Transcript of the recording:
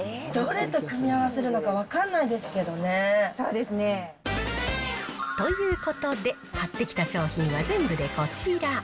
どれと組み合わせるのか分かそうですね。ということで、買ってきた商品は全部でこちら。